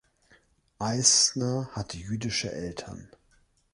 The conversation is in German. Eisner hatte jüdische Eltern.